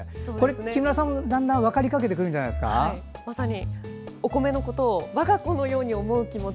木村さんだんだん分かりかけてまさにお米のことをわが子のように思う気持ち